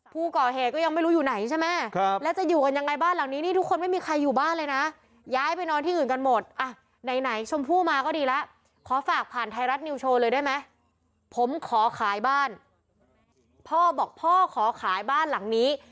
พ่อบอกพ่อขอขายบ้านหลังนี้